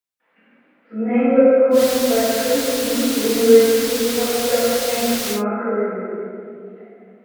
The name was coined by Princeton University postdoc Henk Marquering.